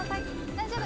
大丈夫。